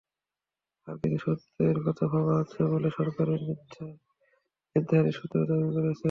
আরও কিছু শর্তের কথা ভাবা হচ্ছে বলে সরকারের নীতিনির্ধারণী সূত্র দাবি করেছে।